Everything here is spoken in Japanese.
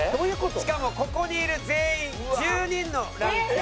しかもここにいる全員１０人のランキング。